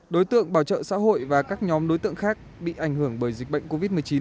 đối tượng bảo trợ xã hội và các nhóm đối tượng khác bị ảnh hưởng bởi dịch bệnh covid một mươi chín